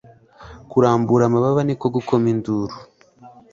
kurambura amababa niko gukoma induru